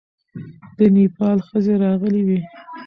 د نېپال ښځې راغلې وې.